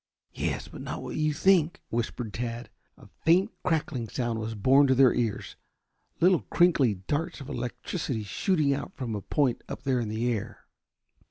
"Yes, but not what you think," whispered Tad. A faint crackling sound was borne to their ears, little crinkly darts of electricity shooting out from a point up there in the air.